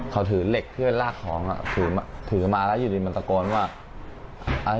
เขาถือเหล็กเพื่อนลากของถือมาแล้วอยู่ดีมันตะโกนว่า